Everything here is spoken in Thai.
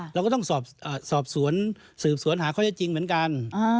เราก็ต้องสอบสวนสืบสวนหาข้อเท็จจริงเหมือนกัน